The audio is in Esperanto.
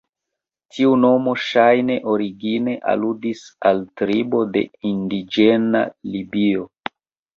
Tiu nomo ŝajne origine aludis al tribo de indiĝena Libio.